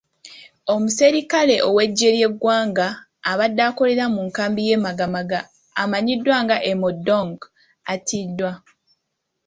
Omusirikale w'eggye ly'eggwanga abadde akolera ku nkambi y'e Magamaga amanyiddwa nga Emodong attiddwa.